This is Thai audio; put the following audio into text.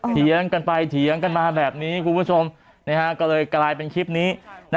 เถียงกันไปเถียงกันมาแบบนี้คุณผู้ชมก็เลยกลายเป็นคลิปนี้